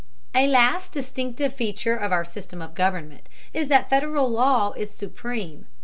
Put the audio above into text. A last distinctive feature of our system of government is that Federal law is supreme.